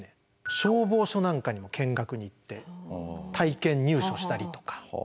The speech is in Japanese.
消防署なんかにも見学に行って体験入署したりとか。